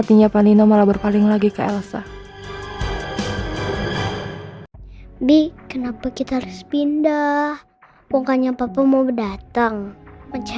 disini juga kosong kan soalnya